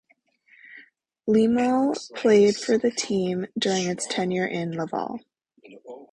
Lemieux played for the team during its tenure in Laval.